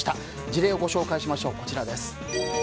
事例をご紹介しましょう。